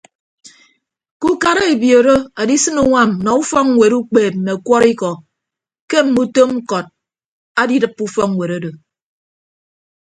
Ke ukara ebiooro adisịn uñwam nnọọ ufọkñwet ukpeep mme ọkwọrọikọ ke mme utom ñkọt adidịppe ufọkñwet odo.